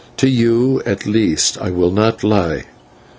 "To you, at least, I will not lie."